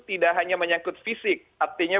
tidak hanya menyangkut fisik artinya